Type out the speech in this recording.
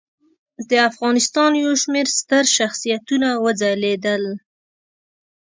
د افغانستان یو شمېر ستر شخصیتونه وځلیدل.